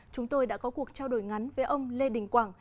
chúng tôi đã có cuộc trao đổi ngắn với ông lê đình quảng